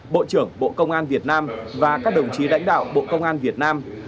bộ công an việt nam và các đồng chí đảnh đạo bộ công an việt nam